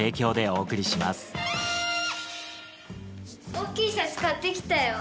大きいシャツ買って来たよ。